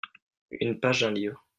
Une page d'un livre.